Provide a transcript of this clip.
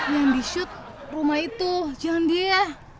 yang di shoot rumah itu jangan dia